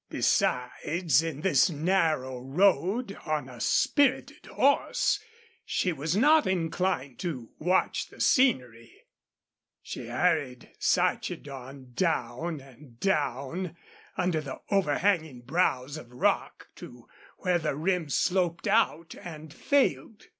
Besides, in this narrow road, on a spirited horse, she was not inclined to watch the scenery. She hurried Sarchedon down and down, under the overhanging brows of rock, to where the rim sloped out and failed.